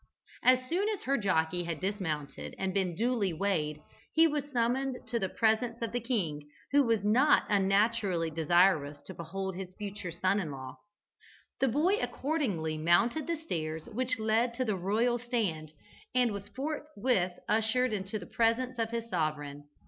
As soon as her jockey had dismounted and been duly weighed, he was summoned to the presence of the king, who was not unnaturally desirous to behold his future son in law. The boy accordingly mounted the stairs which led to the royal stand, and was forthwith ushered into the presence of his sovereign.